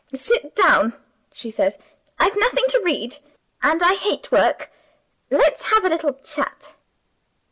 'Sit down,' she says; 'I've nothing to read, and I hate work; let's have a little chat.